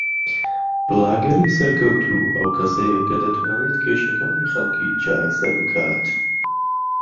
بڵاگەری سەرکەوتوو ئەو کەسەیە کە دەتوانێت کێشەکانی خەڵکی چارەسەر بکات